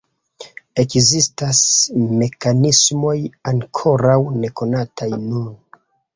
Ekzistas mekanismoj ankoraŭ nekonataj nun.